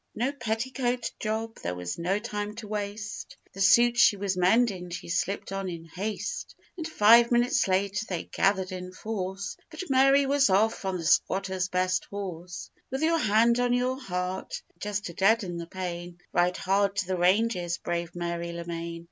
No petticoat job there was no time to waste, The suit she was mending she slipped on in haste, And five minutes later they gathered in force, But Mary was off, on the squatter's best horse; With your hand on your heart, just to deaden the pain, Ride hard to the ranges, brave Mary Lemaine!